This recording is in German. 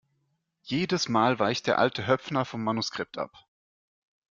Jedes Mal weicht der alte Höpfner vom Manuskript ab!